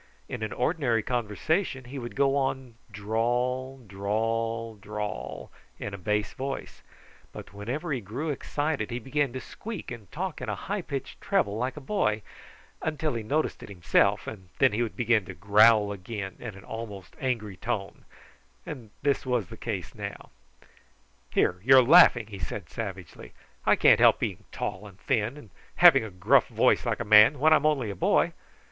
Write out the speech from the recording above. In an ordinary conversation he would go on drawl, drawl, drawl in a bass voice; but whenever he grew excited he began to squeak and talk in a high pitched treble like a boy, till he noticed it himself, and then he would begin to growl again in almost an angry tone; and this was the case now. "Here, you're laughing!" he said savagely. "I can't help being tall and thin, and having a gruff voice like a man, when I'm only a boy.